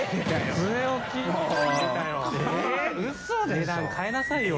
値段変えなさいよ。